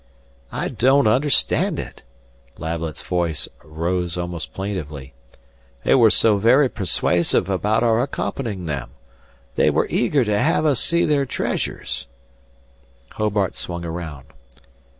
"I don't understand it." Lablet's voice arose almost plaintively. "They were so very persuasive about our accompanying them. They were eager to have us see their treasures " Hobart swung around.